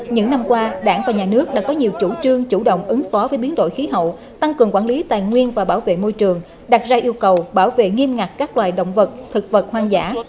những năm qua đảng và nhà nước đã có nhiều chủ trương chủ động ứng phó với biến đổi khí hậu tăng cường quản lý tài nguyên và bảo vệ môi trường đặt ra yêu cầu bảo vệ nghiêm ngặt các loài động vật thực vật hoang dã